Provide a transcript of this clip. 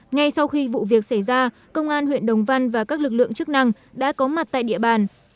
ngay sau khi vụ việc xảy ra công an huyện đồng văn và các lực lượng chức năng đã có mặt tại địa bàn